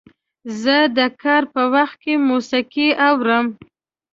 زه د کار په وخت کې موسیقي اورم.